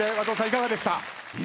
いかがでした？